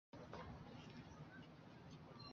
内在证据包括专利文件和任何的专利起诉历史。